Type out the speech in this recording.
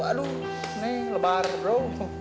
aduh neng lebar bro